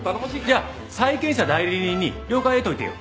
じゃあ債権者代理人に了解を得ておいてよ。